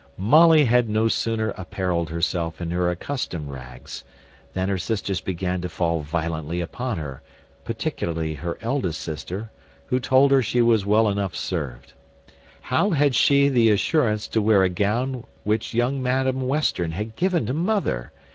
Molly had no sooner apparelled herself in her accustomed rags, than her sisters began to fall violently upon her, particularly her eldest sister, who told her she was well enough served. "How had she the assurance to wear a gown which young Madam Western had given to mother!